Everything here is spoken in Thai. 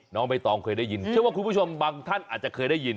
น้องใบตองเคยได้ยินเชื่อว่าคุณผู้ชมบางท่านอาจจะเคยได้ยิน